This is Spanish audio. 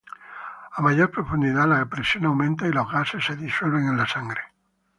a mayor profundidad, la presión aumenta y los gases se disuelven en la sangre